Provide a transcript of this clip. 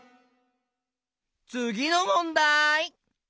つぎのもんだい！